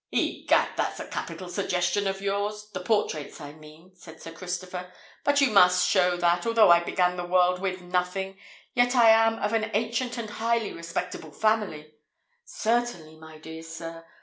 "Egad! that's a capital suggestion of your's—the portraits, I mean," said Sir Christopher. "But you must show that, although I began the world with nothing, yet I am of an ancient and highly respectable family——" "Certainly, my dear sir.